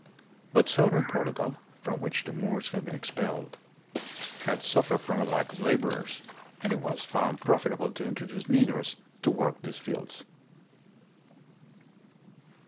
But southern Portugal, from which the Moors had been expelled, had suffered from a lack of laborers, and it was found profit able to introduce Negroes to work these fields.